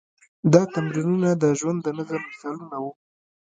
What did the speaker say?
دا تمرینونه د ژوند د نظم مثالونه وو.